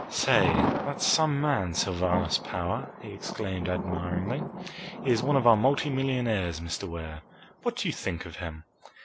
"Say, that's some man, Sylvanus Power!" he exclaimed admiringly. "He is one of our multimillionaires, Mr. Ware. What do you think of him?"